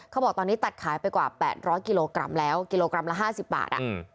เขาบอกตอนนี้ตัดขายไปกว่า๘๐๐กิโลกรัมแล้วกิโลกรัมละ๕๐บาท